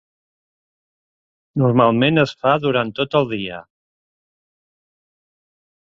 Normalment es fa durant tot el dia.